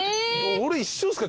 俺一緒っすか？